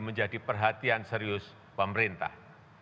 menjadi perhatian serius pemerintah